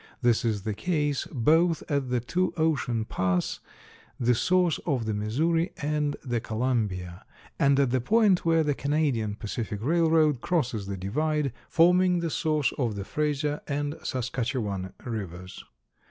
This is the case both at the Two Ocean Pass, the source of the Missouri and the Columbia, and at the point where the Canadian Pacific Railroad crosses the divide, forming the source of the Frazier and Saskatchewan rivers.